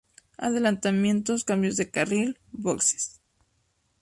Adelantamientos, cambios de carril, boxes.